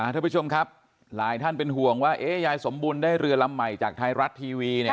ทุกผู้ชมครับหลายท่านเป็นห่วงว่ายายสมบูรณ์ได้เรือลำใหม่จากไทยรัฐทีวี